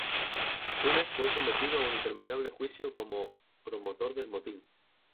Funes fue sometido a un interminable juicio como promotor del motín.